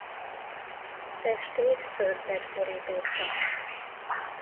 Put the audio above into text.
Testét szőrzet borította.